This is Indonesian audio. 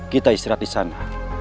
kita istirahat di sana